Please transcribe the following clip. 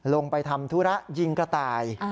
ลงไปทำธุระยิงกระต่าย